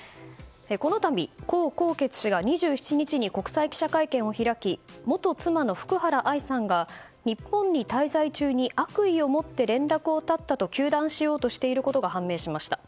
この度、江宏傑氏が２７日に国際記者会見を開き元妻の福原愛さんが日本に滞在中に悪意を持って連絡を絶ったと糾弾しようとしていることが判明しました。